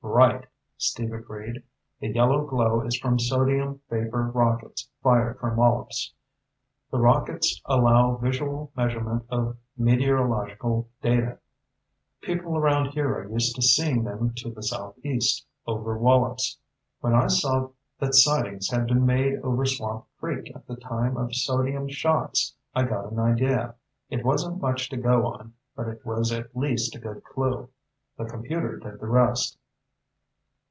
"Right," Steve agreed. "The yellow glow is from sodium vapor rockets fired from Wallops. The rockets allow visual measurement of meteorological data. People around here are used to seeing them to the southeast, over Wallops. When I saw that sightings had been made over Swamp Creek at the time of sodium shots, I got an idea. It wasn't much to go on, but it was at least a good clue. The computer did the rest."